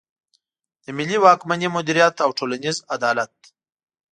د ملي واکمني مدیریت او ټولنیز عدالت.